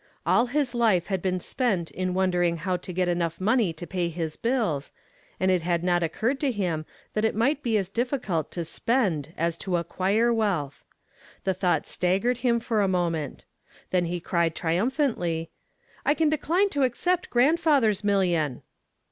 All his life had been spent in wondering how to get enough money to pay his bills, and it had not occurred to him that it might be as difficult to spend as to acquire wealth. The thought staggered him for a moment. Then he cried triumphantly, "I can decline to accept grandfather's million."